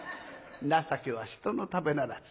情けは人のためならず。